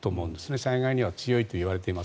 災害には強いといわれています。